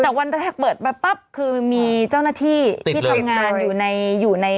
แต่วันแรกเปิดมาปั๊บคือมีเจ้าหน้าที่ที่ทำงานอยู่ในอยู่ใน